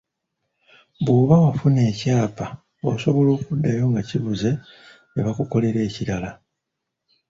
Bw’oba wafuna ekyapa, osobola okuddayo nga kibuze ne bakukolera ekirala.